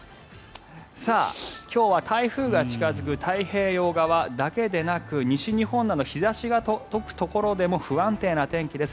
今日は台風が近付く太平洋側だけでなく西日本など日差しが届くところでも不安定な天気です。